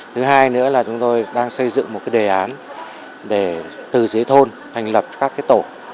thứ hai nữa là chúng tôi đang xây dựng một cái đề án để từ dưới thôn thành lập các tổ